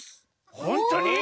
ほんとに？